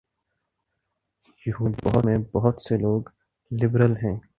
یہودیوں میں بہت سے لوگ لبرل ہیں۔